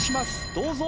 どうぞ。